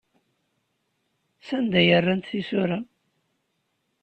Sanda ay rrant tisura?